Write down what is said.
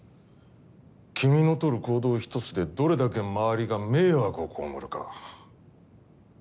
君の取る行動一つでどれだけ周りが迷惑を被るか。